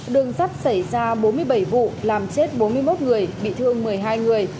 đường sắt xảy ra bốn mươi bảy vụ làm chết bốn mươi một người bị thương một mươi hai người